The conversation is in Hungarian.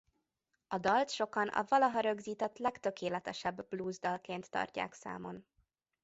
A dalt sokan a valaha rögzített legtökéletesebb blues dalként tartják számon.